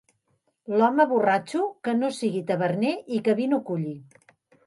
L'home borratxo que no sigui taverner i que vi no culli.